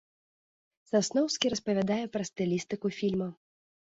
Сасноўскі распавядае пра стылістыку фільма.